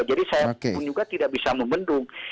jadi saya pun juga tidak bisa membendung